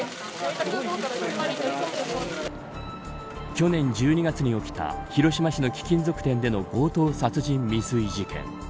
去年１２月に起きた広島市の貴金属店での強盗殺人未遂事件。